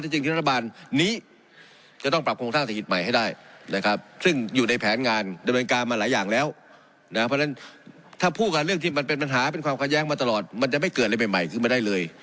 ให้เป็นความแขย้งมาตลอดแต่มันจะไม่เกิดแบบใหม่ฉึงมาได้เลย